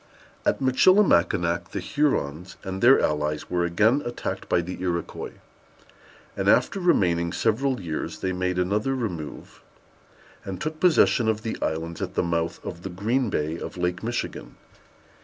At Michilimackinac the Hurons and their allies were again attacked by the Iroquois, and, after remaining several years, they made another remove, and took possession of the islands at the mouth of the Green Bay of Lake Michigan.